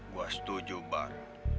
gue setuju bar